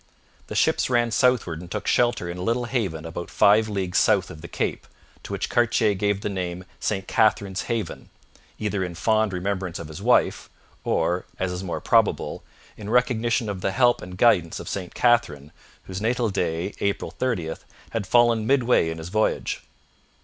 The ships ran southward and took shelter in a little haven about five leagues south of the cape, to which Cartier gave the name St Catherine's Haven, either in fond remembrance of his wife, or, as is more probable, in recognition of the help and guidance of St Catherine, whose natal day, April 30, had fallen midway in his voyage.